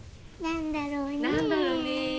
何だろうね？